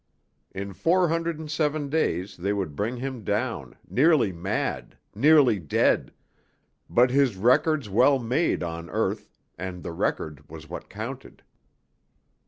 In four hundred and seven days they would bring him down, nearly mad, nearly dead, but his records well made on earth, and the record was what counted.